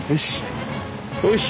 よし！